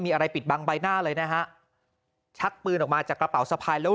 มีอะไรปิดบังใบหน้าเลยนะฮะชักปืนออกมาจากกระเป๋าสะพายแล้ว